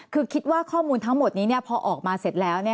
คือคิดว่าข้อมูลทั้งหมดนี้พอออกมาเสร็จแล้ว